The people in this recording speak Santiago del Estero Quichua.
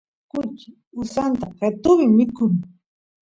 kuchi usanta qetuvi mikun